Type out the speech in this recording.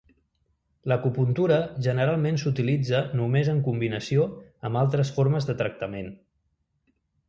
L'acupuntura generalment s'utilitza només en combinació amb altres formes de tractament.